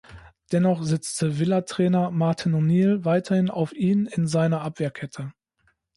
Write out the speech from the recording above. Dennoch setzte Villa-Trainer Martin O’Neill weiterhin auf ihn in seiner Abwehrkette.